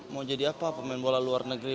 mau jadi apa pemain bola luar negeri